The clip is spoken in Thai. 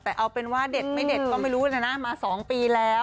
แต่เอาเป็นว่าเด็ดไม่เด็ดก็ไม่รู้นะนะมา๒ปีแล้ว